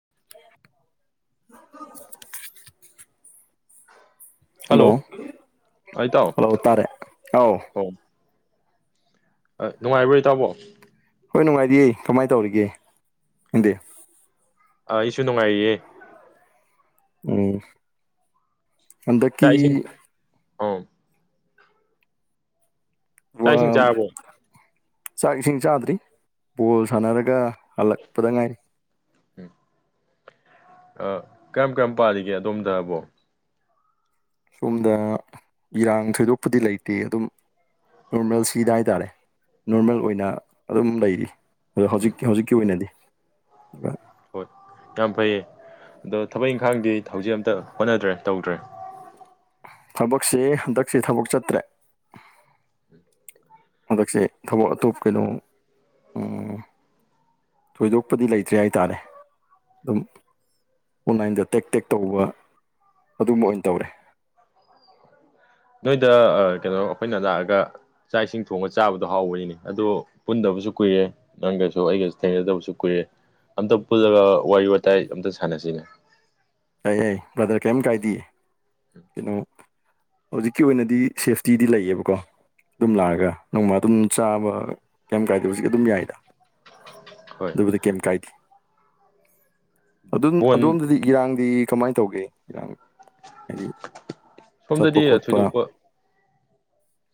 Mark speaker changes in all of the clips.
Speaker 1: [inaudible] hello
Speaker 2: ꯑꯥ ꯏꯇꯥꯎ
Speaker 1: hello ꯇꯥꯔꯦ ꯑꯥꯎ
Speaker 2: ꯅꯨꯡꯉꯥꯏꯕꯣꯏ ꯇꯥꯕꯣ
Speaker 1: ꯍꯣꯏ ꯅꯨꯡꯉꯥꯏꯗꯤꯌꯦ ꯀꯃꯥꯏꯅ ꯇꯧꯔꯤꯒꯦ ꯈꯪꯗꯦ
Speaker 2: ꯑꯩꯁꯨ ꯅꯨꯡꯉꯥꯏꯔꯤꯌꯦꯦ
Speaker 1: ꯎꯝ ꯑꯗꯀꯤ
Speaker 2: ꯑ ꯆꯥꯛ
Speaker 1: ꯋꯥ
Speaker 2: ꯏꯁꯤꯡ ꯆꯥꯕꯣ
Speaker 1: ꯆꯥꯛ ꯏꯁꯤꯡ ꯆꯥꯗ꯭ꯔꯤ ꯕꯣꯜ ꯁꯥꯟꯅꯔꯒ ꯍꯜꯂꯛꯄꯗ ꯉꯥꯏꯔꯤ
Speaker 2: ꯎꯝ ꯑ ꯀꯔꯝ ꯀꯌꯥꯝꯝ ꯄꯥꯔꯤꯒꯦ ꯑꯗꯣꯝꯗ ꯍꯥꯏꯕꯣ
Speaker 1: ꯁꯣꯝꯗ ꯏꯔꯥꯡ ꯊꯣꯏꯗꯣꯛꯄꯨꯗꯤ ꯂꯩꯇꯦ ꯑꯗꯨꯝ ꯔꯃꯦꯜ ꯁꯤꯗ ꯍꯥꯏꯇꯥꯔꯦ ꯅꯣꯔꯃꯦꯜ ꯑꯣꯏꯅ ꯑꯗꯨꯝ ꯂꯩꯔꯤ
Speaker 2: ꯎꯝ
Speaker 1: ꯍꯧꯖꯤꯛꯇꯤ ꯍꯧꯖꯤꯛꯀꯤ ꯑꯣꯏꯅꯗꯤ ꯑꯗꯨꯒ
Speaker 2: ꯍꯣꯏ ꯌꯥꯝ ꯐꯩꯌꯦ ꯑꯗꯣ ꯊꯕꯛ ꯏꯪꯈꯥꯡꯗꯤ ꯍꯧꯖꯤꯛ ꯑꯝꯇ ꯍꯣꯠꯅꯗ꯭ꯔꯦ ꯇꯧꯗ꯭ꯔꯦ
Speaker 1: ꯊꯕꯛꯁꯤ ꯍꯟꯗꯛꯁꯤ ꯊꯕꯛ ꯆꯠꯇ꯭ꯔꯦ ꯍꯟꯗꯛꯁꯦ ꯊꯕꯛ ꯑꯇꯣꯞ ꯀꯩꯅꯣ ꯎꯝ ꯊꯣꯏꯗꯣꯛꯄꯗꯤ ꯂꯩꯇ꯭ꯔꯦ ꯍꯥꯏꯇꯥꯔꯦ ꯑꯗꯨꯝ ꯑꯣꯟꯂꯥꯏꯟꯗ ꯇꯦꯛ ꯇꯦꯛ ꯇꯧꯕ ꯑꯗꯨꯝꯕ ꯑꯣꯏꯅ ꯇꯧꯔꯦ
Speaker 2: [inaudible] ꯅꯣꯏꯗ ꯀꯩꯅꯣ ꯑꯩꯈꯣꯏꯅ ꯂꯥꯛꯑꯒ ꯆꯥꯛ ꯏꯁꯤꯡ ꯊꯣꯡꯉꯒ ꯆꯥꯕꯗꯣ ꯍꯥꯎꯕꯅꯤꯅꯦ ꯑꯗꯣ ꯄꯨꯟꯗꯕꯁꯨ ꯀꯨꯏꯔꯦ ꯅꯪꯒꯁꯨ ꯑꯩꯒꯁꯨ ꯊꯦꯡꯅꯗꯕꯁꯨ ꯀꯨꯏꯔꯦ ꯑꯝꯇ ꯄꯨꯜꯂꯒ ꯋꯥꯔꯤ ꯋꯥꯇꯥꯏ ꯑꯝꯇ ꯁꯥꯟꯅꯁꯤꯅꯦ
Speaker 1: ꯌꯥꯏ ꯌꯥꯏ ꯕ꯭ꯔꯗꯔ ꯀꯦꯝ ꯀꯥꯏꯗꯦ ꯍꯧꯖꯤꯛꯀꯤ ꯑꯣꯏꯅꯗꯤ ꯁꯦꯐꯇꯤꯗꯤ ꯂꯩꯌꯦꯕꯀꯣ ꯑꯗꯨꯝ ꯂꯥꯛꯑꯒ ꯅꯣꯡꯃ ꯑꯗꯨꯝ ꯆꯥꯕ ꯀꯦꯝ ꯀꯥꯏꯗꯦ ꯍꯧꯖꯤꯛ ꯑꯗꯨꯝ ꯌꯥꯏꯗ
Speaker 2: ꯍꯣꯏ
Speaker 1: ꯑꯗꯨꯕꯨꯗꯤ ꯀꯦꯝ ꯀꯥꯏꯗꯦ ꯑꯗꯨꯝ
Speaker 2: ꯕꯣꯟ
Speaker 1: ꯑꯗꯣꯝꯗꯗꯤ ꯏꯔꯥꯡꯗꯤ ꯀꯃꯥꯏꯅ ꯇꯧꯒꯦ ꯏꯔꯥꯡ ꯍꯥꯏꯗꯤ ꯆꯠꯄ
Speaker 2: ꯁꯣꯝꯗꯗꯤ
Speaker 1: ꯈꯣꯠꯄ
Speaker 2: ꯊꯣꯏꯗꯣꯛꯄ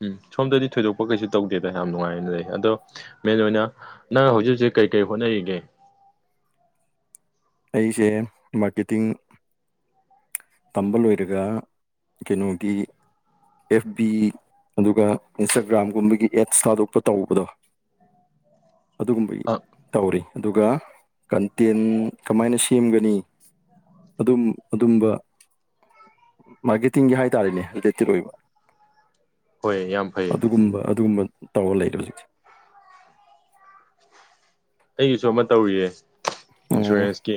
Speaker 2: ꯎꯝ ꯁꯣꯝꯗꯗꯤ ꯊꯣꯏꯗꯣꯛꯄ ꯀꯩꯁꯨ ꯇꯧꯗꯦꯗ ꯌꯥꯝ ꯅꯨꯡꯉꯥꯏꯅ ꯂꯩ ꯑꯗꯣ ꯃꯦꯟ ꯑꯣꯏꯅ ꯅꯪ ꯍꯧꯖꯤꯛ ꯍꯧꯖꯤꯛ ꯀꯩ ꯀꯔꯤ ꯍꯣꯠꯅꯔꯤꯒꯦ [inaudible]
Speaker 1: ꯑꯩꯁꯦ ꯃꯥꯔꯀꯦꯇꯤꯡ ꯇꯝꯕ ꯂꯣꯏꯔꯒ ꯀꯩꯅꯣꯒꯤ ꯑꯦꯐ ꯕꯤ ꯑꯗꯨꯒ ꯏꯟꯁꯇꯥꯒ꯭ꯔꯥꯝꯒꯨꯝꯕꯒꯤ ꯑꯦꯠꯁ ꯊꯥꯗꯣꯛꯄ ꯇꯧꯕꯗꯣ
Speaker 2: [inaudible]
Speaker 1: ꯑꯗꯨꯒꯨꯝꯕꯒꯤ
Speaker 2: ꯑ
Speaker 1: ꯇꯧꯔꯤ ꯑꯗꯨꯒ ꯀꯟꯇꯦꯟ ꯀꯃꯥꯏꯅ ꯁꯦꯝꯒꯅꯤ ꯑꯗꯨꯝ ꯑꯗꯨꯝꯕ ꯃꯥꯔꯀꯦꯇꯤꯡꯒꯤ ꯍꯥꯏꯇꯥꯔꯦꯅꯦꯇꯦꯠ ꯑꯣꯏꯕ
Speaker 2: ꯍꯣꯏ ꯌꯥꯝ ꯐꯩꯌꯦ
Speaker 1: ꯑꯗꯨꯒꯨꯝꯕ ꯑꯗꯨꯒꯨꯝꯕ ꯇꯧꯔ ꯂꯩꯔꯦ ꯍꯧꯖꯤꯛꯁꯦ
Speaker 2: ꯑꯩꯒꯤꯁꯨ ꯑꯃ ꯇꯧꯔꯤꯌꯦ
Speaker 1: ꯎꯝ
Speaker 2: ꯏꯟꯁꯨꯔꯦꯟꯁꯀꯤ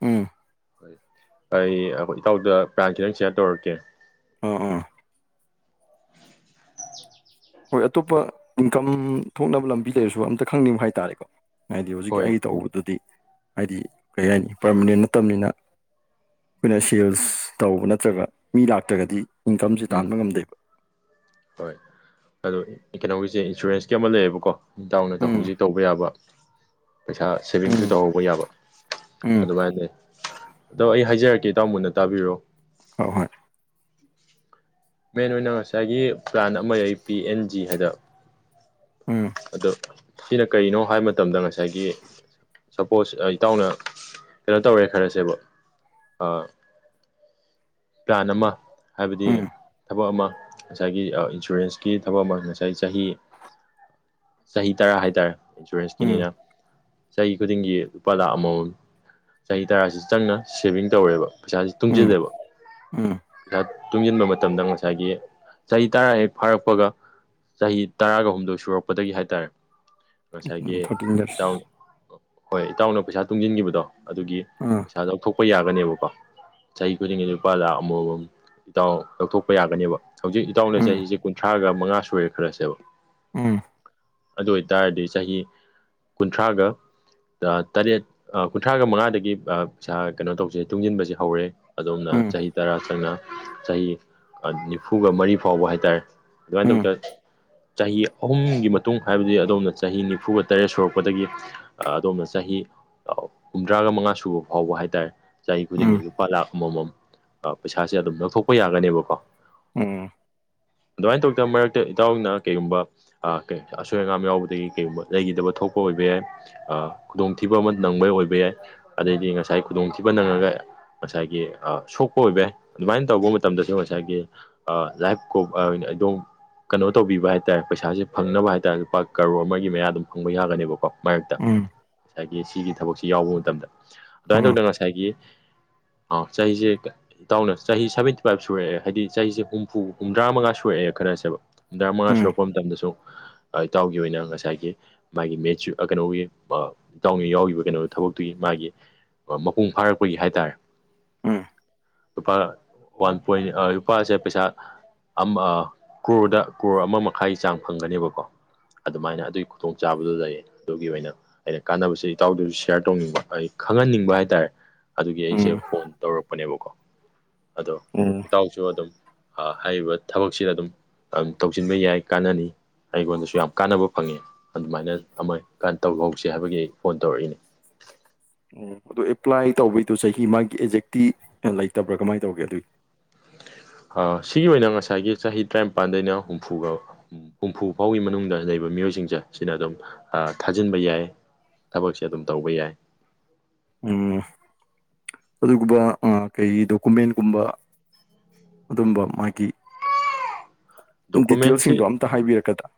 Speaker 1: ꯎꯝ
Speaker 2: ꯑꯩ ꯑꯩꯈ ꯏꯇꯥꯎꯗ ꯄ꯭ꯔꯥꯟꯁꯤꯗꯪ ꯁꯤꯌꯥꯔ ꯇꯧꯔꯛꯀꯦ
Speaker 1: ꯑꯣ ꯑ
Speaker 2: [inaudible]
Speaker 1: ꯍꯣꯏ ꯑꯇꯣꯞꯄ ꯏꯟꯀꯝ ꯊꯣꯛꯅꯕ ꯂꯝꯕꯤ ꯂꯩꯔꯁꯨ ꯑꯝꯇ ꯈꯪꯅꯤꯡꯕ ꯍꯥꯏꯇꯥꯔꯦꯀꯣ ꯍꯥꯏꯗꯤ ꯍꯧꯖꯤꯛꯀꯤ
Speaker 2: ꯍꯣꯏ
Speaker 1: ꯑꯩ ꯇꯧꯕꯗꯨꯗꯤ ꯍꯥꯏꯗꯤ ꯀꯔꯤ ꯍꯥꯏꯅꯤ ꯄꯔꯃꯅꯦꯟ ꯅꯠꯇꯕꯅꯤꯅ ꯑꯩꯈꯣꯏꯅ ꯁꯦꯜꯁ ꯇꯧꯕ ꯅꯠꯇ꯭ꯔꯒ ꯃꯤ ꯂꯥꯛꯇ꯭ꯔꯒꯗꯤ ꯏꯟꯀꯝꯁꯦ
Speaker 2: ꯎꯝ
Speaker 1: ꯇꯥꯟꯕ ꯉꯝꯗꯦꯕ
Speaker 2: ꯍꯣꯏ ꯑꯣ ꯀꯩꯅꯣꯒꯤꯁꯦ ꯏꯟꯁꯨꯔꯦꯟꯁꯀꯤ ꯑꯃ ꯂꯩꯌꯦꯕꯀꯣ ꯏꯇꯥꯎꯅ
Speaker 1: ꯎꯝ
Speaker 2: ꯍꯧꯖꯤꯛ ꯇꯧꯕ ꯌꯥꯕ ꯄꯩꯁꯥ ꯁꯦꯚꯤꯡꯁꯨ
Speaker 1: ꯎꯝ
Speaker 2: ꯇꯧꯍꯧꯕ ꯌꯥꯕ
Speaker 1: ꯎꯝ
Speaker 2: ꯑꯗꯨꯃꯥꯏ ꯂꯩ ꯑꯗꯣ ꯑꯩ ꯍꯥꯏꯖꯔꯛꯀꯦ ꯏꯇꯥꯎ ꯃꯨꯟꯅ ꯇꯥꯕꯤꯔꯣ
Speaker 1: ꯍꯣꯏ ꯍꯣꯏ [inaudible]
Speaker 2: ꯃꯦꯟ ꯑꯣꯏꯅ ꯉꯁꯥꯏꯒꯤ ꯄ꯭ꯂꯥꯟ ꯑꯃ ꯂꯩ ꯄꯤ ꯑꯦꯟ ꯖꯤ ꯍꯥꯏꯅꯥ
Speaker 1: ꯎꯝ
Speaker 2: ꯑꯗꯣ ꯁꯤꯅ ꯀꯔꯤꯅꯣ ꯍꯥꯏꯕ ꯃꯇꯝꯗ ꯉꯁꯥꯏꯒꯤ ꯁꯄꯣꯁ ꯏꯇꯥꯎꯅ ꯀꯩꯅꯣ ꯇꯧꯔꯦ ꯈꯜꯂꯥꯁꯦꯕ ꯑ ꯄ꯭ꯂꯥꯟ ꯑꯃ ꯍꯥꯏꯕꯗꯤ
Speaker 1: ꯎꯝ
Speaker 2: ꯊꯕꯛ ꯑꯃ ꯉꯁꯥꯏꯒꯤ ꯏꯟꯁꯨꯔꯦꯟꯁꯀꯤ ꯊꯕꯛ ꯑꯃ ꯉꯁꯥꯏ ꯆꯍꯤ ꯆꯍꯤ ꯇꯔꯥ ꯍꯥꯏꯇꯥꯔꯦ
Speaker 1: ꯎꯝ
Speaker 2: ꯏꯟꯁꯨꯔꯦꯟꯁꯀꯤꯅꯤꯅ ꯆꯍꯤ ꯈꯨꯗꯤꯡꯒꯤ ꯂꯨꯄꯥ ꯂꯥꯈ ꯑꯃꯃꯝ ꯆꯍꯤ ꯇꯔꯥꯁꯤ ꯆꯪꯅ ꯁꯦꯚꯤꯡ ꯇꯧꯔꯦꯕ ꯄꯩꯁꯥꯥꯁꯦ
Speaker 1: ꯎꯝ
Speaker 2: ꯇꯨꯝꯁꯤꯜꯂꯦꯕ
Speaker 1: ꯎꯝ
Speaker 2: ꯇꯨꯡꯁꯤꯟꯕ ꯃꯇꯝꯗ ꯉꯁꯥꯏꯒꯤ ꯆꯍꯤ ꯇꯔꯥ ꯍꯦꯛ ꯐꯥꯔꯛꯄꯒ ꯆꯍꯤ ꯇꯔꯥꯒ ꯍꯨꯝꯗꯣꯏ ꯁꯨꯔꯛꯄꯗꯒꯤ ꯍꯥꯏꯇꯥꯔꯦ ꯉꯁꯥꯏꯒꯤ
Speaker 1: ꯎꯝ ꯊꯥꯔꯇꯤꯟ ꯌꯔꯁ
Speaker 2: ꯏꯇꯥꯎ ꯍꯣꯏ ꯏꯇꯥꯎꯅ ꯄꯩꯁꯥ ꯇꯨꯡꯁꯤꯟꯈꯤꯕꯗꯣ ꯑꯗꯨꯒꯤ
Speaker 1: ꯎꯝ
Speaker 2: ꯄꯩꯁꯥ ꯂꯧꯊꯣꯛꯄ ꯌꯥꯔ ꯅꯦꯕꯀꯣ ꯆꯍꯤ ꯈꯨꯗꯤꯡꯒꯤ ꯂꯨꯄꯥ ꯂꯥꯛ ꯑꯃꯃꯝ ꯏꯇꯥꯎꯅ ꯂꯧꯊꯣꯛꯄ ꯌꯥꯒꯅꯦꯕ ꯍꯧꯖꯤꯛ ꯏꯇꯥꯎꯅ
Speaker 1: ꯎꯝ
Speaker 2: ꯆꯍꯤꯁꯦ ꯀꯨꯟꯊ꯭ꯔꯥꯒ ꯃꯉꯥ ꯁꯣꯏꯔꯦ ꯈ꯭ꯔꯁꯦꯕ
Speaker 1: ꯎꯝ
Speaker 2: ꯑꯗꯨ ꯑꯣꯏꯇꯥꯔꯗꯤ ꯆꯍꯤ ꯀꯨꯟꯊ꯭ꯔꯥꯒ ꯇꯔꯦꯠ ꯀꯨꯟꯊ꯭ꯔꯥꯒ ꯃꯉꯥꯗꯒꯤ ꯄꯩꯁꯥ ꯀꯩꯅꯣ ꯇꯧꯁꯦ ꯇꯨꯡꯁꯤꯟꯕꯁꯦ ꯍꯧꯔꯦ ꯑꯗꯣꯝꯅ
Speaker 1: ꯎꯝ
Speaker 2: ꯆꯍꯤ ꯇꯔꯥ ꯆꯪꯅ ꯆꯍꯤ ꯅꯤꯐꯨꯒ ꯃꯔꯤ ꯐꯥꯎꯕ ꯍꯥꯏꯇꯥꯔꯦ ꯑꯗꯨꯃꯥꯏꯅ
Speaker 1: ꯎꯝ
Speaker 2: ꯇꯧꯗ ꯆꯍꯤ ꯑꯍꯨꯝꯒꯤ ꯃꯇꯨꯡ ꯍꯥꯏꯕꯗꯤ ꯑꯗꯣꯝꯅ ꯆꯍꯤ ꯅꯤꯐꯨꯒ ꯇꯔꯦꯠ ꯁꯨꯔꯛꯄꯗꯒꯤ ꯑꯗꯣꯝꯅ ꯆꯍꯤ ꯍꯨꯝꯗ꯭ꯔꯥꯒ ꯃꯉꯥ ꯁꯨꯕ ꯐꯥꯎꯕ ꯍꯥꯏꯇꯥꯔꯦ ꯆꯍꯤ
Speaker 1: ꯎꯝ
Speaker 2: ꯈꯨꯗꯤꯡꯒꯤ ꯂꯨꯄꯥ ꯂꯥꯛ ꯑꯃꯃꯝ ꯄꯩꯁꯥꯁꯦ ꯑꯗꯨꯝ ꯂꯧꯊꯣꯛꯄ ꯌꯥꯒꯅꯦꯕꯀꯣ
Speaker 1: ꯎꯝ ꯎꯝ
Speaker 2: ꯑꯗꯨꯃꯥꯏꯅ ꯇꯧꯗꯅ ꯃꯔꯛꯇ ꯏꯇꯥꯎꯅ ꯀꯩꯒꯨꯝꯕ ꯑꯁꯣꯏ ꯑꯉꯥꯝ ꯌꯥꯎꯕꯗꯒꯤ ꯀꯩꯒꯨꯝꯕ ꯂꯩꯈꯤꯗꯕ ꯊꯣꯛꯄ ꯑꯣꯏꯕ ꯌꯥꯏ ꯈꯨꯗꯣꯡꯊꯤꯕ ꯑꯃ ꯅꯪꯕ ꯑꯣꯏꯕ ꯌꯥꯏ ꯑꯗꯩꯗꯤ ꯉꯁꯥꯏ ꯈꯨꯗꯣꯡꯊꯤꯕ ꯅꯪꯉꯒ ꯉꯁꯥꯏꯒꯤ ꯑ ꯁꯣꯛꯄ ꯑꯣꯏꯕ ꯌꯥꯏ ꯑꯗꯨꯃꯥꯏꯅ ꯇꯧꯕ ꯃꯇꯝꯗꯁꯨ ꯉꯁꯥꯏꯒꯤ ꯂꯥꯏꯐꯀꯣ ꯀꯩꯅꯣ ꯇꯧꯕꯤꯕ ꯍꯥꯏꯇꯥꯔꯦ ꯄꯩꯁꯥꯁꯦ ꯐꯪꯅꯕ ꯍꯥꯏꯇꯥꯔꯦ ꯂꯨꯄꯥ ꯀꯔꯣꯔ ꯑꯃꯒꯤ ꯃꯌꯥ ꯑꯗꯨꯝ ꯐꯪꯕ ꯌꯥꯒꯅꯦꯕꯀꯣ ꯃꯔꯛꯇ
Speaker 1: ꯎꯝ ꯎꯝ
Speaker 2: ꯉꯁꯥꯏꯒꯤ ꯁꯤꯒꯤ ꯊꯕꯛꯁꯤ ꯌꯥꯎꯕ ꯃꯇꯝꯗ ꯑꯗꯨꯃꯥꯏꯅ ꯇꯧꯗꯅ ꯉꯁꯥꯏꯒꯤ ꯆꯍꯤꯁꯦ ꯏꯇꯥꯎꯅ ꯆꯍꯤ ꯁꯚꯦꯟꯇꯤ ꯐꯥꯏꯚ ꯁꯨꯔꯛꯑꯦ ꯍꯥꯏꯗꯤ ꯆꯍꯤꯁꯦ ꯍꯨꯝꯐꯨ ꯍꯨꯝꯗ꯭ꯔꯥ ꯃꯉꯥ ꯁꯨꯔꯛꯑꯦ ꯈꯜꯂꯁꯦꯕ ꯍꯨꯝꯗ꯭ꯔꯥ ꯃꯉꯥ
Speaker 1: ꯎꯝ
Speaker 2: ꯁꯨꯔꯛꯄ ꯃꯇꯝꯗꯁꯨ ꯢꯇꯧꯎ ꯒꯤ ꯑꯣꯏꯅ ꯉꯁꯥꯏꯒꯤ ꯃꯥꯒꯤ ꯃꯦꯆ ꯀꯩꯅꯣꯒꯤ ꯏꯇꯥꯎꯅ ꯌꯥꯎꯈꯤꯕ ꯀꯩꯅꯣ ꯊꯕꯛꯇꯨꯒꯤ ꯃꯥꯒꯤ ꯃꯄꯨꯡ ꯐꯥꯔꯛꯄꯒꯤ ꯍꯥꯏꯇꯥꯔꯦ
Speaker 1: ꯎꯝ
Speaker 2: ꯂꯨꯄꯥ ꯋꯥꯟ ꯄꯣꯏꯟ ꯂꯨꯄꯥꯁꯦ ꯄꯩꯁꯥ ꯑꯃ ꯀ꯭ꯔꯣꯔꯗ ꯀ꯭ꯔꯣꯔ ꯑꯃ ꯃꯈꯥꯏ ꯆꯥꯡ ꯐꯪꯒꯅꯦꯕꯀꯣ ꯑꯗꯨꯃꯥꯏꯅ ꯑꯗꯨꯒꯤ ꯈꯨꯗꯣꯡꯆꯥꯕꯗꯨ ꯂꯩꯌꯦ ꯑꯗꯨꯒꯤ ꯑꯣꯏꯅ ꯑꯩꯅ ꯀꯥꯟꯅꯕꯁꯦ ꯏꯇꯥꯎꯗꯨꯁꯨ ꯁꯤꯌꯥꯔ ꯇꯧꯅꯤꯡꯕ ꯑꯩ ꯈꯪꯍꯟꯅꯤꯡꯕ ꯕ ꯍꯥꯏꯇꯥꯔꯦ ꯑꯗꯨꯒꯤ ꯑꯩꯁꯦ
Speaker 1: ꯎꯝ
Speaker 2: ꯐꯣꯟ ꯇꯧꯔꯛꯄꯅꯦꯕꯀꯣ ꯑꯗꯣ
Speaker 1: ꯎꯝ
Speaker 2: ꯏꯇꯥꯎꯁꯨ ꯑꯗꯨꯝ ꯍꯥꯏꯔꯤꯕ ꯊꯕꯛꯁꯤꯗ ꯑꯗꯨꯝ ꯇꯧꯁꯤꯟꯕ ꯌꯥꯏ ꯀꯥꯟꯅꯅꯤ ꯑꯩꯉꯣꯟꯗꯁꯨ ꯌꯥꯝ ꯀꯥꯟꯅꯕ ꯐꯪꯉꯦ ꯑꯗꯨꯃꯥꯏꯅ ꯑꯃ ꯇꯧꯍꯧꯁꯤ ꯍꯥꯏꯕꯒꯤ ꯑꯩ ꯐꯣꯟ ꯇꯧꯔꯛꯏꯅꯦ [unintelligible]
Speaker 1: ꯑꯣ ꯑꯗꯨ ꯑꯦꯄ꯭ꯂꯥꯏ ꯇꯧꯕꯩꯗꯣ ꯆꯍꯤ ꯃꯥꯒꯤ ꯑꯦꯖꯦꯛꯇꯤ ꯂꯩꯇꯕ꯭ꯔꯥ ꯀꯃꯥꯏꯅ ꯇꯧꯒꯦ ꯑꯗꯨꯒꯤ
Speaker 2: [unintelligible] ꯁꯤꯒꯤ ꯑꯣꯏꯅ ꯉꯁꯥꯏꯒꯤ ꯆꯍꯤ ꯇꯔꯥꯅꯤꯄꯥꯟꯗꯩꯅ ꯍꯨꯝꯐꯨꯒ ꯍꯨꯝꯐꯨ ꯐꯥꯎꯒꯤ ꯃꯅꯨꯡꯗ ꯂꯩꯕ ꯃꯤꯑꯣꯏꯁꯤꯡꯁꯦ ꯁꯤꯅ ꯑꯗꯨꯝ ꯊꯥꯖꯤꯟꯕ ꯌꯥꯏ ꯊꯕꯛꯁꯦ ꯑꯗꯨꯝ ꯇꯧꯕ ꯌꯥꯏ
Speaker 1: ꯎꯝ ꯑꯗꯨꯒꯨꯝꯕ ꯀꯩ ꯗꯣꯀꯨꯃꯦꯟꯒꯨꯝꯕ ꯎꯗꯨꯝꯕ ꯃꯥꯒꯤ ꯗꯤꯇꯦꯜꯁꯤꯡꯗꯣ
Speaker 2: ꯗꯣꯀꯨꯃꯦꯟꯁꯦ
Speaker 1: ꯑꯝꯇ ꯍꯥꯏꯕꯤꯔꯛꯀꯗ꯭ꯔꯥ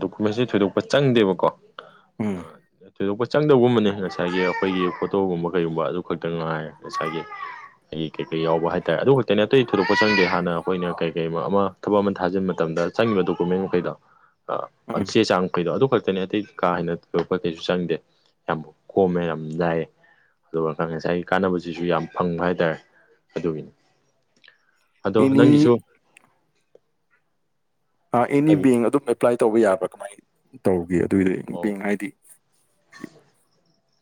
Speaker 2: ꯗꯣꯀꯨꯃꯦꯟꯁꯤ ꯊꯣꯏꯗꯣꯛꯄ ꯆꯪꯗꯦꯕꯀꯣ ꯃꯥ
Speaker 1: ꯎꯝ
Speaker 2: [inaudible] ꯊꯣꯏꯗꯣꯛꯄ ꯆꯪꯗꯕꯒꯨꯝꯕꯅꯦ ꯉꯁꯥꯏꯒꯤ ꯑꯩꯈꯣꯏꯒꯤ ꯐꯣꯇꯣꯒꯨꯝꯕ ꯀꯩꯒꯨꯝꯕ ꯑꯗꯨ ꯈꯛꯇ ꯉꯥꯏ ꯉꯁꯥꯏꯒꯤ ꯑꯩꯒꯤ ꯀꯩꯀꯩ ꯌꯥꯎꯕ ꯍꯥꯏꯇꯥꯔꯦ ꯑꯗꯨ ꯈꯛꯇꯅꯦ ꯑꯇꯩ ꯊꯣꯏꯗꯣꯛꯄ ꯆꯪꯗꯦ ꯍꯥꯟꯅ ꯑꯩꯈꯣꯏꯅ ꯀꯩ ꯀꯩ ꯑꯃ ꯊꯕꯛ ꯑꯃ ꯊꯥꯖꯤꯟꯕ ꯃꯇꯝꯗ ꯆꯪꯉꯤꯕ ꯗꯣꯀꯨꯃꯦꯟ ꯃꯈꯩꯗꯣ
Speaker 1: ꯎꯝ
Speaker 2: ꯆꯦ ꯆꯥꯡꯃꯈꯩꯗꯣ ꯑꯗꯨ ꯈꯛꯇꯅꯦ ꯑꯇꯩ ꯀꯥ ꯍꯦꯟꯅ ꯊꯣꯏꯗꯣꯛꯄꯗꯤ ꯀꯩꯁꯨ ꯆꯪꯗꯦ ꯌꯥꯝ ꯀꯣꯃꯦ ꯌꯥꯝ ꯂꯥꯏ ꯑꯗꯨꯒ ꯉꯁꯥꯏꯒꯤ ꯀꯥꯅꯕꯁꯤꯁꯨ ꯌꯥꯝ ꯐꯪꯕ ꯍꯥꯏꯇꯥꯔꯦ ꯑꯗꯨꯒꯤꯅꯤ ꯑꯗꯣ ꯅꯪꯒꯤꯁꯨ
Speaker 1: ꯑꯦꯅꯤ ꯑꯦꯅꯤ
Speaker 2: ꯍꯥꯏꯕꯤ
Speaker 1: ꯕꯦꯡ ꯑꯗꯨꯝ ꯑꯦꯄ꯭ꯂꯥꯏ ꯇꯧꯕ ꯌꯥꯕ꯭ꯔꯥ ꯀꯃꯥꯏ ꯇꯧꯒꯦ ꯑꯗꯨꯒꯤ
Speaker 2: ꯑꯣ
Speaker 1: ꯕꯦꯡ ꯍꯥꯏꯗꯤ ꯀ [unintelligible]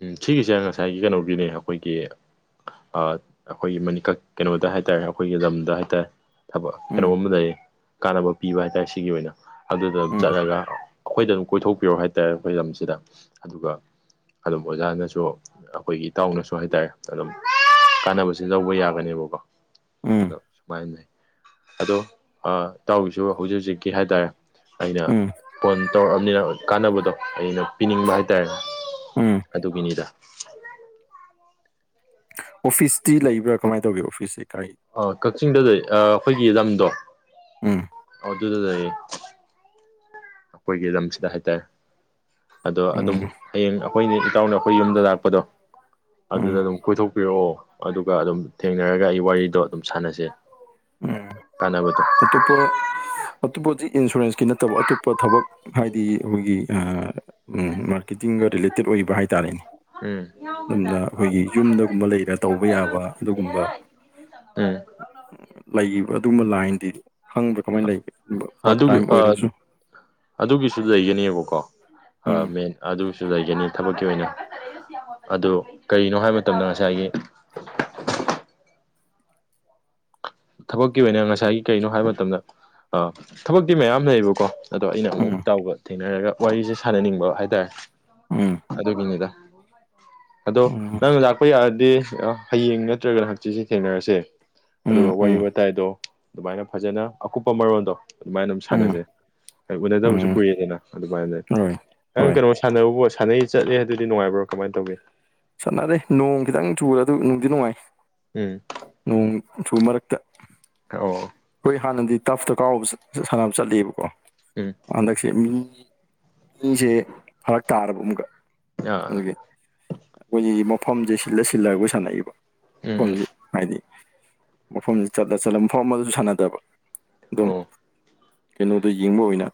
Speaker 2: ꯎꯝ ꯁꯤꯒꯤꯁꯦ ꯉꯁꯥꯏꯒꯤ ꯀꯩꯅꯣꯒꯤꯅꯦ ꯑꯩꯈꯣꯏꯒꯤ ꯑꯩꯈꯣꯏꯒꯤ ꯃꯅꯤꯀꯛ ꯀꯩꯅꯣꯗ ꯍꯥꯏ ꯇꯥꯔꯦ ꯑꯩꯈꯣꯏꯒꯤ ꯂꯝꯗ ꯍꯥꯏ ꯇꯔꯦ ꯊꯕꯛ
Speaker 1: ꯎꯝ
Speaker 2: ꯀꯩꯅꯣꯝꯃ ꯀꯥꯟꯅꯕ ꯄꯤꯕ ꯍꯥꯏꯇꯥꯔꯦ ꯁꯤꯒꯤ ꯑꯣꯏꯅ ꯑꯗꯨꯗ
Speaker 1: ꯎꯝ
Speaker 2: ꯆꯠꯂꯒ ꯑꯩꯈꯣꯏꯗ ꯑꯗꯨꯝ ꯀꯣꯏꯊꯣꯛꯄꯤꯔꯣꯑꯣ ꯍꯥꯏꯇꯥꯔꯦ ꯑꯩꯈꯣꯏ ꯂꯝꯁꯤꯗ ꯑꯗꯨꯒ ꯑꯗꯨꯝ ꯑꯣꯖꯥꯅꯁꯨ ꯑꯩꯈꯣꯏꯒꯤ ꯏꯇꯥꯎꯅꯁꯨ ꯍꯥꯏꯇꯥꯔꯦ ꯑꯗꯨꯝ ꯀꯥꯟꯅꯕꯁꯤ ꯂꯧꯕ ꯌꯥꯒꯅꯦꯕꯀꯣ
Speaker 1: ꯎꯝ
Speaker 2: ꯑꯗꯣ ꯁꯨꯃꯥꯏꯅ ꯂꯩ ꯑꯗꯣ ꯏꯇꯥꯎꯔꯤꯁꯨ ꯍꯧꯖꯤꯛ ꯍꯧꯖꯤꯛꯀꯤ ꯍꯥꯏꯇꯥꯔꯦ ꯑꯩꯅ
Speaker 1: ꯎꯝ
Speaker 2: ꯐꯣꯟ ꯇꯧꯔꯛꯑꯕꯅꯤꯅ ꯀꯥꯟꯅꯕꯗꯣ ꯑꯩꯅ ꯄꯤꯅꯤꯡꯕ ꯍꯥꯏꯇꯥꯔꯦ
Speaker 1: ꯎꯝ
Speaker 2: ꯑꯗꯨꯒꯤꯅꯤꯗ
Speaker 1: ꯑꯣꯐꯤꯁꯇꯤ ꯂꯩꯕ꯭ꯔꯥ ꯀꯃꯥꯏꯅ ꯇꯧꯒꯦ ꯑꯣꯐꯤꯁꯁꯤꯦ
Speaker 2: ꯑ ꯀꯛꯆꯤꯡꯗꯗꯤ ꯑꯩꯈꯣꯏꯒꯤ ꯂꯝꯗꯣ
Speaker 1: ꯎꯝ
Speaker 2: ꯑꯗꯨ ꯑꯗꯨ ꯑꯗꯨ ꯑꯗꯨꯦ ꯑꯩꯈꯣꯏꯒꯤ ꯂꯝꯁꯤꯗ ꯍꯥꯏꯇꯥꯔꯦ ꯑꯗꯣ ꯑꯗꯨꯝ
Speaker 1: ꯎꯝ
Speaker 2: ꯍꯌꯦꯡ ꯑꯩꯈꯣꯏꯅꯦ ꯏꯇꯥꯎꯅ ꯑꯩꯈꯣꯏ ꯌꯨꯝꯗ ꯂꯥꯛꯄꯗꯣ ꯑꯗꯨꯗ
Speaker 1: ꯎꯝ
Speaker 2: ꯑꯗꯨꯝ ꯀꯣꯏꯊꯣꯛꯄꯤꯔꯛꯑꯣ ꯑꯗꯨꯒ ꯑꯗꯨꯝ ꯊꯦꯡꯅꯔꯒ ꯑꯩ ꯋꯥꯔꯤꯗꯣ ꯑꯗꯨꯝ ꯁꯥꯟꯅꯁꯦ
Speaker 1: ꯎꯝ
Speaker 2: ꯀꯥꯟꯅꯕꯗꯣ
Speaker 1: ꯃ ꯄꯨꯔ ꯑꯇꯞꯄ ꯍꯧꯖꯤꯛ ꯏꯟꯁꯨꯔꯦꯟꯁꯀꯤ ꯅꯠꯇꯕ ꯑꯇꯣꯞꯄ ꯊꯕꯛ ꯍꯥꯏꯗꯤ ꯑꯩꯈꯣꯏꯒꯤ ꯃꯥꯔꯀꯦꯇꯤꯡꯒ ꯔꯤꯂꯦꯇꯦꯠ ꯑꯣꯏꯕ ꯍꯥꯏꯇꯥꯔꯦꯅꯦ
Speaker 2: ꯎꯝ ꯎꯝ
Speaker 1: ꯑꯗꯨꯝꯅ ꯑꯩꯈꯣꯏꯒꯤ ꯌꯨꯝꯗꯒꯨꯝꯕ ꯂꯩꯔ ꯇꯧꯕ ꯌꯥꯕ [inaudible] ꯈꯪꯕ꯭ꯔꯥ ꯀꯃꯥꯏꯅ ꯂꯩꯒꯦ ꯄꯥꯔꯠ
Speaker 2: ꯑꯗꯨꯒꯤ
Speaker 1: ꯇꯥꯏꯝ ꯑꯣꯏꯔꯒꯁꯨ
Speaker 2: ꯑꯗꯨꯒꯤꯁꯨ ꯂꯩꯒꯅꯦꯕꯀꯣ ꯑ
Speaker 1: ꯎꯝ
Speaker 2: ꯃ ꯑꯗꯨ ꯁꯨ ꯂꯩꯒꯅꯤ ꯊꯕꯛꯀꯤ ꯑꯣꯏꯅ ꯑꯗꯨ ꯀꯔꯤꯅꯣ ꯍꯥꯏꯕ ꯃꯇꯝꯗ ꯉꯁꯥꯏꯒꯤ [inaudible] ꯊꯕꯛꯀꯤ ꯑꯣꯏꯅ ꯉꯁꯥꯏꯒꯤ ꯀꯩꯅꯣ ꯍꯥꯏꯕ ꯃꯇꯝꯗ ꯊꯕꯛꯇꯤ ꯃꯌꯥꯝ ꯂꯩꯌꯦꯕꯀꯣ ꯑꯗꯣ ꯑꯩꯅ ꯑꯃꯨꯛ
Speaker 1: ꯎꯝ
Speaker 2: ꯏꯇꯥꯎꯒ ꯊꯦꯡꯅꯔꯒ ꯋꯥꯔꯤꯁꯦ ꯁꯥꯟꯅꯅꯤꯡꯕ ꯍꯥꯏꯇꯥꯔꯦ
Speaker 1: ꯎꯝ
Speaker 2: ꯑꯗꯨꯒꯤꯅꯤꯗ ꯑꯗꯣ
Speaker 1: ꯎꯝ
Speaker 2: ꯅꯪ ꯂꯥꯛꯄ ꯌꯥ ꯍꯌꯦꯡ ꯅꯠꯇ꯭ꯔꯒꯅ ꯍꯛꯆꯦꯁꯦ ꯊꯦꯡꯅꯔꯁꯦ ꯑꯗꯨꯒ
Speaker 1: ꯎꯝ
Speaker 2: ꯋꯥꯔꯤ ꯋꯥꯇꯥꯏꯗꯣ ꯑꯗꯨꯃꯥꯏꯅ ꯐꯖꯅ ꯑꯀꯨꯞꯄ ꯃꯔꯣꯟꯜꯗꯣ ꯑꯗꯨꯃꯥꯏꯅ ꯑꯗꯨꯝ
Speaker 1: ꯎꯝ ꯎꯝ
Speaker 2: ꯁꯥꯟꯅꯖꯩ ꯍ ꯎꯅꯗꯕꯁꯨ
Speaker 1: ꯎꯝ
Speaker 2: ꯀꯨꯏꯗꯅ ꯑꯗꯨꯃꯥꯏꯅ
Speaker 1: ꯍꯣꯏ ꯍ
Speaker 2: ꯅꯪ ꯀꯩꯅꯣ ꯁꯥꯟꯅꯕ ꯁꯥꯟꯅꯩ ꯆꯠꯂꯦ ꯍꯥꯏ ꯑꯗꯨꯗꯤ ꯅꯨꯡꯉꯥꯏꯕ꯭ꯔꯣ ꯀꯃꯥꯏꯅ ꯇꯧꯒꯦ
Speaker 1: ꯆꯠꯅꯔꯦ ꯅꯣꯡ ꯈꯤꯇꯪ ꯆꯨꯔ ꯑꯗꯨ ꯅꯨꯡꯗꯤ ꯅꯨꯡꯉꯥꯏ
Speaker 2: ꯎꯝ
Speaker 1: ꯅꯣꯡ ꯁꯨ ꯃꯔꯛꯇ
Speaker 2: ꯑ
Speaker 1: ꯑꯩꯈꯣꯏ ꯍꯥꯟꯅꯗꯤ ꯇꯐꯇ ꯀꯥꯎꯕ ꯁꯥꯟꯅꯕ ꯆꯠꯂꯤꯕꯀꯣ
Speaker 2: ꯎꯝ
Speaker 1: ꯍꯟꯗꯛꯁꯦ ꯃꯤ ꯃꯤꯁꯦ ꯐꯔꯛ ꯇꯥꯔꯕ ꯑꯃꯨꯛꯀ
Speaker 2: ꯑꯥ
Speaker 1: ꯑꯗꯨꯗꯒꯤ ꯑꯩꯈꯣꯏꯒꯤꯗꯤ ꯃꯐꯝꯁꯦ ꯁꯤꯜꯂ ꯁꯤꯜꯂꯒ ꯑꯩꯈꯣꯏ ꯁꯥꯟꯅꯏꯕ
Speaker 2: ꯎꯝ ꯎꯝ
Speaker 1: ꯃꯐꯝꯁꯤ ꯍꯥꯏꯗꯤ ꯃꯐꯝꯁꯤ ꯆꯂ ꯆꯠꯂ ꯃꯐꯝ ꯑꯗꯨꯁꯨ ꯁꯥꯟꯅꯗꯕ ꯑꯗꯨꯝ
Speaker 2: ꯑꯣ
Speaker 1: ꯀꯩꯅꯣꯗꯣ ꯌꯦꯡꯕ ꯑꯣꯏꯅ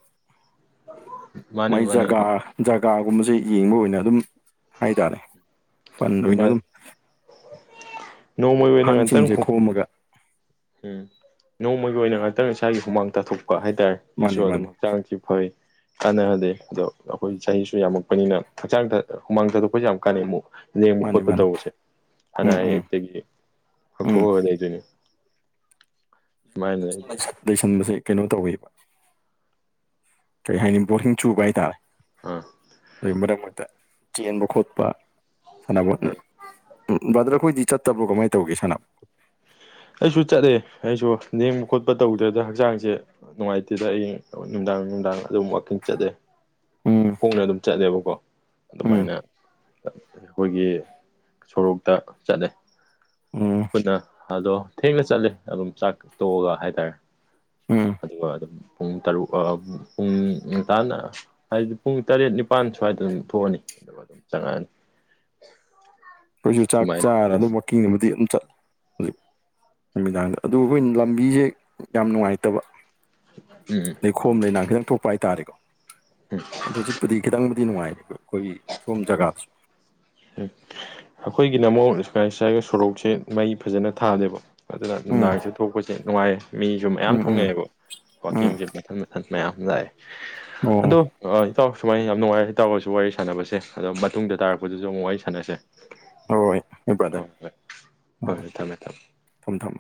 Speaker 2: ꯃꯥꯅꯦ
Speaker 1: ꯃꯥꯏ
Speaker 2: ꯃꯥꯅꯦ
Speaker 1: ꯖꯒꯥ ꯖꯒꯥꯒꯨꯝꯕꯁꯦ ꯌꯦꯡꯕ ꯑꯣꯏꯅ ꯑꯗꯨꯝ ꯍꯥꯏꯇꯥꯔꯦ ꯐꯟꯅ
Speaker 2: ꯅꯣꯡꯃꯒꯤ
Speaker 1: ꯑꯗꯨꯝ
Speaker 2: ꯅꯣꯡꯃꯩ ꯑꯣꯏꯅ ꯑꯣꯏꯅ ꯉꯟꯇꯪ
Speaker 1: ꯑꯍꯟꯁꯤꯡꯁꯦ
Speaker 2: ꯈꯨꯝ
Speaker 1: ꯈꯣꯝꯃꯒ
Speaker 2: ꯎꯝ ꯅꯣꯡꯃꯒꯤ ꯑꯣꯏꯅ ꯉꯥꯛꯇꯪ ꯏꯁꯥꯒꯤ ꯍꯨꯃꯥꯡ ꯇꯥꯊꯣꯛꯄꯤ ꯍꯥꯏꯇꯥꯔꯦ ꯁꯤꯁꯨ
Speaker 1: ꯃꯥꯅꯤ
Speaker 2: ꯑꯗꯨꯝ
Speaker 1: ꯃꯥꯅꯤ
Speaker 2: ꯍꯛꯆꯥꯡꯁꯨ ꯐꯩ ꯀꯥꯟꯅꯍꯗꯦ ꯑꯗꯣ ꯑꯩꯈꯣꯏ ꯆꯍꯤꯁꯨ ꯌꯥꯝꯃꯛꯄꯅꯤꯅ ꯍꯛꯆꯥꯡꯗ ꯍꯨꯃꯥꯡ ꯊꯥꯗꯣꯛꯄꯁꯨ ꯌꯥꯝ ꯀꯥꯟꯅꯩ ꯑꯃꯨꯛ ꯂꯦꯡꯕ
Speaker 1: ꯃꯥꯅꯤ
Speaker 2: ꯈꯣꯠꯄ
Speaker 1: ꯃꯥꯅꯤ
Speaker 2: ꯇꯧꯕꯁꯦ ꯍꯅ
Speaker 1: ꯎꯝ ꯎꯝ
Speaker 2: ꯑꯌꯦꯛꯇꯒꯤ
Speaker 1: ꯎꯝ
Speaker 2: ꯉꯊꯣꯛꯑꯒ ꯂꯩꯗꯣꯏꯅꯦ
Speaker 1: ꯁꯟꯗꯁꯦ ꯀꯩꯅꯣ ꯇꯧꯋꯕ ꯀꯩ ꯍꯥꯏꯅꯤ ꯕꯣꯡ ꯆꯨꯕ ꯍꯥꯏꯇꯥꯔꯦ
Speaker 2: ꯑꯥ
Speaker 1: ꯑ ꯃꯔꯛ ꯃꯔꯛꯇ ꯆꯦꯟꯕ ꯈꯣꯠꯄ ꯁꯥꯟꯅꯕꯣꯠ ꯎꯝ ꯕ꯭ꯔꯗꯔ ꯑꯩꯈꯣꯏꯗꯤ ꯆꯠꯇꯕ꯭ꯔꯣ ꯀꯃꯥꯏꯅ ꯇꯧꯒꯦ ꯁꯅꯕꯣꯠ
Speaker 2: ꯑꯩꯁꯨ ꯆꯠꯂꯦ ꯑꯩꯁꯨ ꯅꯦꯡꯕ ꯈꯣꯠꯄ ꯇꯧꯗ꯭ꯔꯦꯗ ꯍꯛꯆꯥꯡꯁꯦ ꯅꯨꯡꯉꯥꯏꯇꯦꯗ ꯑꯩꯌꯤꯡ ꯅꯨꯡꯗꯥꯡ ꯅꯨꯡꯗꯥꯡ ꯑꯗꯨꯝ ꯋꯥꯛꯀꯤꯡ ꯆꯠꯂꯦ
Speaker 1: ꯎꯝ
Speaker 2: ꯈꯣꯡꯅ ꯑꯗꯨꯝ ꯆꯠꯂꯦꯕ ꯀꯣ
Speaker 1: ꯎꯝ
Speaker 2: ꯑꯗꯨꯃꯥꯏꯅ ꯑꯩꯈꯣꯏꯒꯤ ꯁꯣꯔꯣꯛꯇ ꯆꯠꯂꯦ
Speaker 1: ꯎꯝ
Speaker 2: ꯈꯣꯏꯗ ꯑꯗꯣ ꯊꯦꯡꯅ ꯆꯠꯂꯦ ꯑꯗꯨꯝ ꯆꯥꯛ ꯇꯣꯛꯑꯒ ꯍꯥꯏꯇꯥꯔꯦ
Speaker 1: ꯎꯝ
Speaker 2: ꯑꯗꯨꯒ ꯑꯗꯨꯝ ꯄꯨꯡ ꯇꯔꯨꯛ ꯑ ꯄꯨꯡ ꯉꯟꯇꯥꯅ ꯍꯥꯏꯗꯤ ꯄꯨꯡ ꯇꯔꯦꯠ ꯅꯤꯄꯥꯥꯟ ꯁ꯭ꯋꯥꯏꯗ ꯑꯗꯨꯝ ꯊꯣꯛꯑꯅꯤ ꯑꯗꯨꯒ ꯑꯗꯨꯝ ꯆꯪꯉꯛꯑꯅꯤ
Speaker 1: ꯑꯈꯣꯏꯁꯨ ꯆꯥꯛ
Speaker 2: ꯁꯨꯃꯥꯏꯅ
Speaker 1: ꯆꯥꯔꯅꯤ ꯋꯥꯛꯀꯤꯡ ꯅꯨꯡꯗꯤ ꯆꯠꯂꯤ ꯅꯨꯃꯤꯗꯥꯡꯗ ꯑꯗꯨꯒ ꯑꯩꯈꯣꯏ ꯂꯝꯕꯤꯖꯦ ꯌꯥꯝ ꯅꯨꯡꯉꯥꯏꯇꯕ
Speaker 2: ꯎꯝ
Speaker 1: ꯂꯩꯈꯣꯝ ꯂꯩꯅꯥꯡ ꯈꯤꯇꯪ ꯊꯣꯛꯄ ꯍꯥꯏꯇꯥꯔꯦꯀꯣ ꯑꯗꯣ ꯍꯧꯖꯤꯛꯄꯨꯗꯤ ꯈꯤꯇꯪ ꯅꯨꯡꯗꯤ ꯅꯨꯡꯉꯥꯏ ꯈꯣꯏꯒꯤ ꯁꯣꯝ ꯆꯒꯥꯁꯨ
Speaker 2: ꯎꯝ ꯑꯩꯈꯣꯏꯒꯤꯅ ꯑꯃꯣ ꯏꯁꯀꯥꯏ ꯁ꯭ꯀꯥꯏꯒ ꯁꯣꯔꯣꯛꯁꯦ ꯃꯩ ꯐꯖꯅ ꯊꯥꯂꯦꯕ ꯑꯗꯨꯅ
Speaker 1: ꯎꯝ
Speaker 2: ꯅꯨꯡꯗꯥꯡꯁꯦ ꯊꯣꯛꯄꯁꯦ ꯅꯨꯡꯉꯥꯏ ꯃꯤꯖꯨ ꯃꯌꯥꯝ
Speaker 1: ꯎꯝ
Speaker 2: ꯊꯣꯛꯅꯩꯑꯦꯕ
Speaker 1: ꯎꯝ
Speaker 2: ꯋꯥꯛꯀꯤꯡꯁꯦ ꯃꯊꯟ ꯃꯊꯟ ꯃꯌꯥꯝ ꯂꯥꯛꯑꯦ
Speaker 1: ꯎꯝ
Speaker 2: ꯑꯗꯣ ꯑ ꯏꯇꯥꯎ ꯁꯨꯃꯥꯏꯅ ꯌꯥꯝ ꯅꯨꯡꯉꯥꯏꯔꯦ ꯏꯇꯥꯎꯒꯁꯨ ꯋꯥꯔꯤ ꯁꯥꯟꯅꯕꯁꯦ ꯑꯗꯣ ꯃꯇꯨꯡꯗ ꯇꯥꯔꯛꯄꯗꯨꯁꯨ ꯑꯃꯨꯛ ꯋꯥꯔꯤ ꯁꯥꯟꯅꯁꯦ ꯍꯣꯏ
Speaker 1: ꯑꯣ ꯍꯣꯏ ꯕ꯭ꯔꯗꯔ
Speaker 2: ꯍꯣꯏ
Speaker 1: ꯎꯝ
Speaker 2: ꯍꯣꯏ ꯊꯝꯃꯦ ꯊꯝꯃꯦ
Speaker 1: ꯊꯝꯃꯦ ꯊꯝꯃꯦ